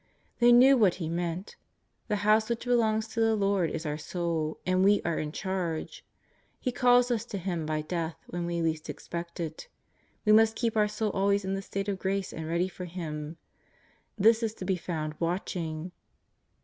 They knew what He meant. The house which belongs to the lord is our soul. And we are in charge. He calls us to Him by death when we least expect it. We must keep our soul always in the state of grace and ready for Him. This is to be found watching.